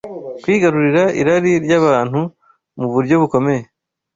kwigarurira irari ry’abantu mu buryo bukomeye.